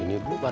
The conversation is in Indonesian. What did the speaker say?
ini bu pak